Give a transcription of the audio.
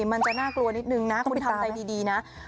มันจะน่ากลัวนิดนึงนะคุณทำใจดีนะ